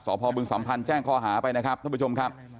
พบึงสัมพันธ์แจ้งข้อหาไปนะครับท่านผู้ชมครับ